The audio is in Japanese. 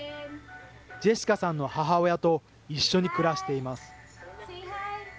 ジェシカさんの母親と一緒に暮らしています。